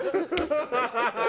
ハハハハ！